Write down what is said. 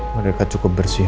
mereka cukup bersih